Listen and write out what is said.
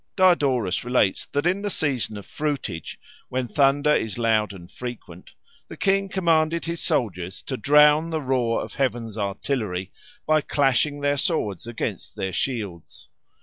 Diodorus relates that in the season of fruitage, when thunder is loud and frequent, the king commanded his soldiers to drown the roar of heaven's artillery by clashing their swords against their shields.